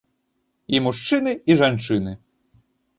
І мужчыны, і жанчыны.